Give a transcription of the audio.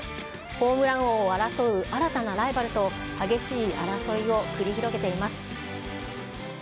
ホームラン王を争う新たなライバルと、激しい争いを繰り広げています。